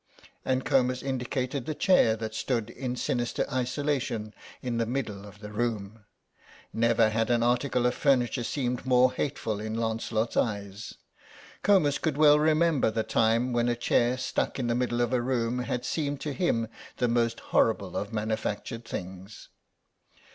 And Comus indicated the chair that stood in sinister isolation in the middle of the room. Never had an article of furniture seemed more hateful in Lancelot's eyes. Comus could well remember the time when a chair stuck in the middle of a room had seemed to him the most horrible of manufactured things.